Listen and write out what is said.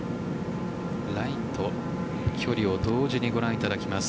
ラインと距離を同時にご覧いただきます。